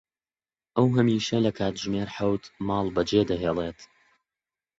ئەو هەمیشە لە کاتژمێر حەوت ماڵ بەجێ دەهێڵێت.